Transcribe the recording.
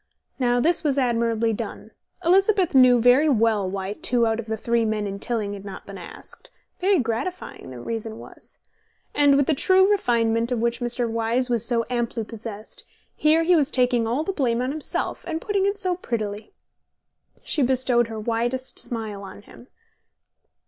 Now this was admirably done. Elizabeth knew very well why two out of the three men in Tilling had not been asked (very gratifying, that reason was), and with the true refinement of which Mr. Wyse was so amply possessed, here he was taking all the blame on himself, and putting it so prettily. She bestowed her widest smile on him.